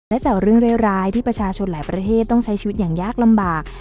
และจากเรื่องร้ายที่ประชาชนหลายประเทศต้องใช้ชีวิตอย่างยากลำบาก